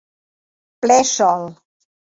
Ple Sol.